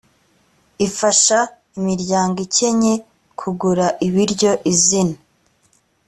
ifasha imiryango ikennye kugura ibiryo izina